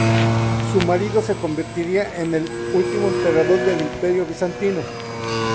Su marido se convertiría en el último emperador del Imperio bizantino.